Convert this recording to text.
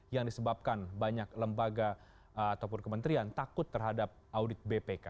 yang disebabkan banyak lembaga ataupun kementerian takut terhadap audit bpk